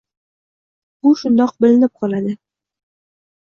Bu shundoq bilinib qoladi.